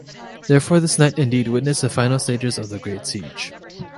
Therefore, this knight indeed witnessed the final stages of the Great Siege.